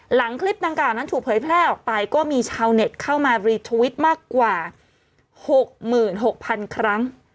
หลังคลิปดังกล่าวนั้นถูกเผยแพร่ออกไปก็มีชาวเน็ตเข้ามารีทวิตมากกว่า๖๖๐๐๐ครั้ง